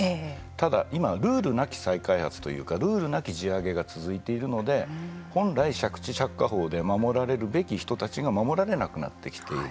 ただ、今、ルールなき再開発というかルールなき地上げが続いているので本来、借地借家法で守られるべき人が守られなくなってきている。